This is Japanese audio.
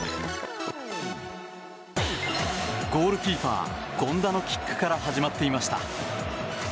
ゴールキーパー、権田のキックから始まっていました。